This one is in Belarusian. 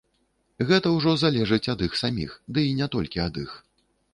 Гэта ўжо залежыць ад іх саміх, ды і не толькі ад іх.